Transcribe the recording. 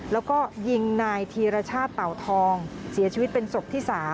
แล้วก็ยิงนายธีรชาติเต่าทองเสียชีวิตเป็นศพที่๓